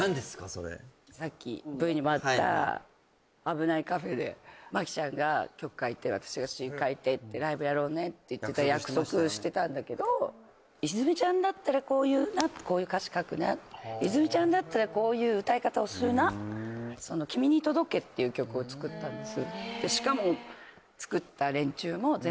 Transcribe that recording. それさっきＶにもあった危ないカフェで摩季ちゃんが曲書いて私が詞書いてってライブやろうねって言ってた約束してたんだけど泉水ちゃんだったらこういうなこういう歌詞書くな泉水ちゃんだったらこういう歌い方をするなその「君に届け」っていう曲を作ったんです